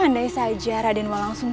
andai saja radenwa langsung